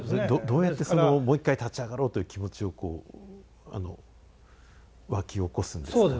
どうやってそのもう一回立ち上がろうという気持ちをこうわき起こすんですか？